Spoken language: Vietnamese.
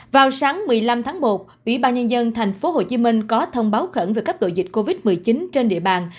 vào sáng một mươi năm tháng một ubnd tp hcm có thông báo khẩn về cấp độ dịch covid một mươi chín trên địa bàn